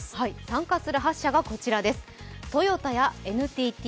参加する８社がこちらです。